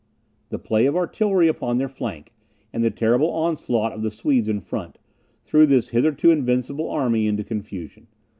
The play of artillery upon their flank, and the terrible onslaught of the Swedes in front, threw this hitherto invincible army into confusion.